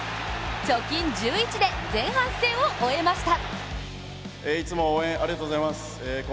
貯金１１で前半戦を終えました。